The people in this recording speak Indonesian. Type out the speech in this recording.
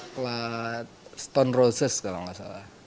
plat stone roses kalau nggak salah